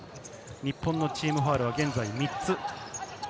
日本のチームファウルは現在３つ。